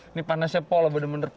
ini panasnya pola benar benar